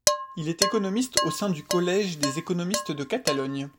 Il est économiste au sein du collège des économistes de Catalogne.